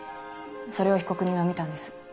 それを被告人は見たんです。